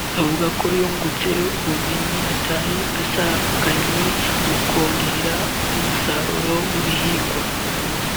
avuga ko yungutse ubumenyi atari asanganywe mu kongera umusaruro w’ibihingwa